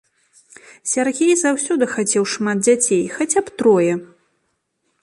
Сяргей заўсёды хацеў шмат дзяцей, хаця б трое.